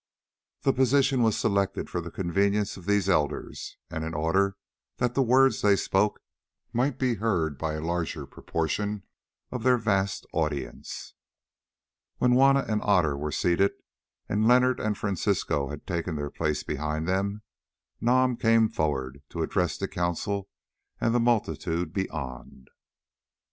The position was selected for the convenience of these elders, and in order that the words they spoke might be heard by a larger proportion of their vast audience. When Juanna and Otter were seated, and Leonard and Francisco had taken their places behind them, Nam came forward to address the Council and the multitude beyond.